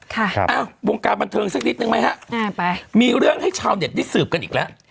ครับครับเอ้าวงการบันเทิงสักนิดนึงไหมครับมีเรื่องให้ชาวเน็ตดิสืบกันอีกแล้ว